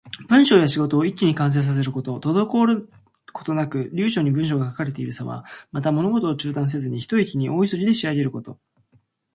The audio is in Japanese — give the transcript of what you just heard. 文章や仕事を一気に完成させること。滞ることなく流暢に文章が書かれているさま。また、物事を中断せずに、ひと息に大急ぎで仕上げること。